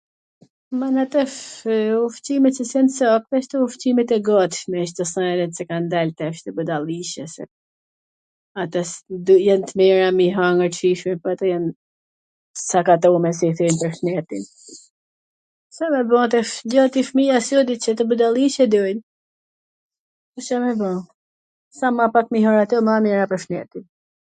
mana tash ushqimet qw s jan sakt jan ushqimet e gatshme, kto sojnat qw kan dal tashti, budalliqe se ato jan t mira me i hangwr t shijshme, po ato jan t sakatume si i themi pwr shnetin. Ca me ba tash, gjith ato fmija vetwm budalliqe dojn, Ca me ba, sa ma pak me i hangwr ato ma mir pwr shnetin